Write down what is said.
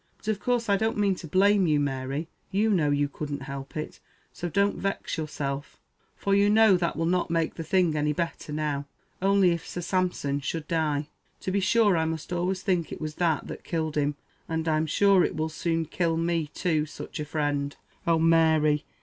But of course I don't mean to blame you, Mary. You know you couldn't help it; so don't vex yourself, for you know that will not make the thing any better now. Only if Sir Sampson should die to be sure I must always think it was that that killed him; and I'm sure it at will soon kill me too such a friend oh, Mary!"